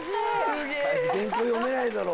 すげえ！